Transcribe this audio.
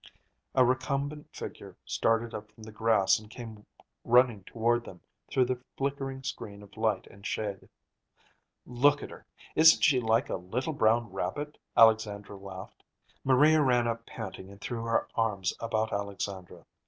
A recumbent figure started up from the grass and came running toward them through the flickering screen of light and shade. "Look at her! Isn't she like a little brown rabbit?" Alexandra laughed. Maria ran up panting and threw her arms about Alexandra.